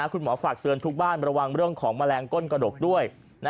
ฝากเตือนทุกบ้านระวังเรื่องของแมลงก้นกระดกด้วย